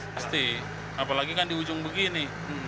pasti apalagi kan di ujung begini